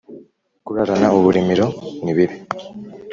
kurarana uburimiro ni bibi